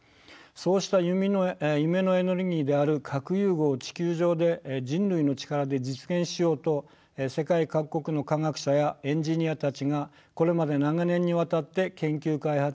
そうした夢のエネルギーである核融合を地球上で人類の力で実現しようと世界各国の科学者やエンジニアたちがこれまで長年にわたって研究開発を行ってきました。